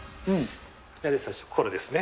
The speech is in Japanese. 最初これですね。